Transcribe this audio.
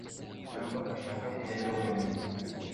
cyangwa ashaka kujyayo wenyine.